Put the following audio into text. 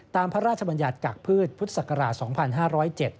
พระราชบัญญัติกากพืชพุทธศักราช๒๕๐๗